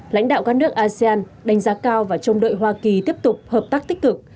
lãnh đạo các nước asean đánh giá cao và trông đợi hoa kỳ tiếp tục hợp tác tích cực